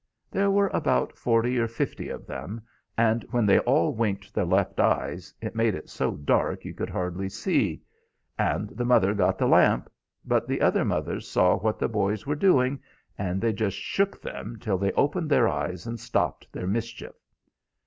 There were about forty or fifty of them, and when they all winked their left eyes it made it so dark you could hardly see; and the mother got the lamp; but the other mothers saw what the boys were doing, and they just shook them till they opened their eyes and stopped their mischief."